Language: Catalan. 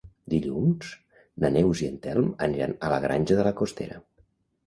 Dilluns na Neus i en Telm aniran a la Granja de la Costera.